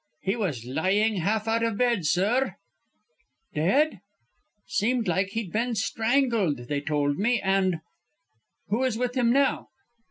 "He was lying half out of bed, sir " "Dead?" "Seemed like he'd been strangled, they told me, and " "Who is with him now?"